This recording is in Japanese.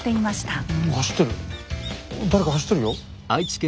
誰か走ってるよ。